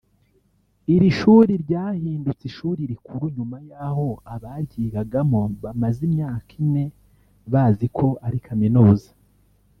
Iri shuri ryahindutse ishuri rikuru nyuma y’aho abaryigagamo bamaze imyaka ine bazi ko ari Kaminuza